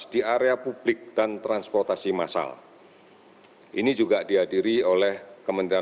karena protokol ini dibuat bersama sama lintas kementerian